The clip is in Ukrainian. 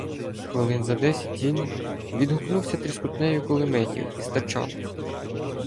Хвилин за десять він відгукнувся тріскотнею кулеметів із тачанок.